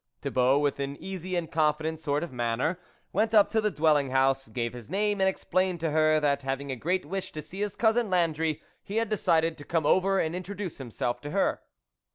Thibault, with an easy and confident sort of manner, went up to the dwelling house, gave his name, and explained to her, that, having a great wish to see his cousin Landry, he had decided to come over and introduce himself to her.